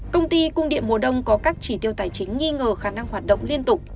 công ty cung điện mùa đông có các chỉ tiêu tài chính nghi ngờ khả năng hoạt động liên tục